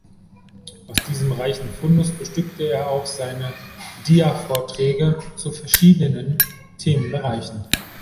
Aus diesem reichen Fundus bestückte er auch seine Dia-Vorträge zu verschiedenen Themenbereichen.